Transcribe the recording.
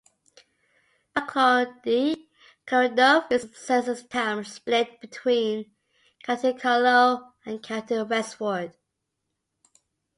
Bunclody-Carrickduff is a census town split between County Carlow and County Wexford.